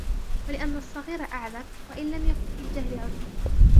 وَلِأَنَّ الصَّغِيرَ أَعَذْرُ وَإِنْ لَمْ يَكُنْ فِي الْجَهْلِ عُذْرٌ